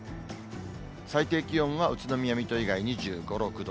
最低気温は宇都宮、水戸以外２５、６度。